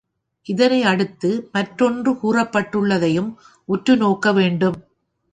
இதனை அடுத்து, மற்றொன்று கூறப்பட்டுள்ளதையும் உற்று நோக்க வேண்டும்.